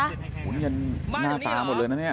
โอ้โหมันน่าตาหมดเลยนะเนี่ย